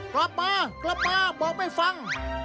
กลับมากลับมาบอกไม่ฟัง